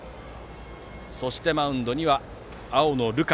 そしてマウンドには青野流果。